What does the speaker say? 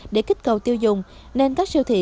để kích cầu tiêu dùng nên các siêu thị